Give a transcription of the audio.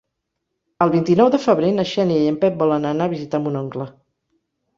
El vint-i-nou de febrer na Xènia i en Pep volen anar a visitar mon oncle.